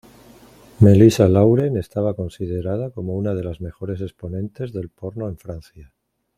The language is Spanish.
Melissa Lauren estaba considerada como una de las mejores exponentes del porno en Francia.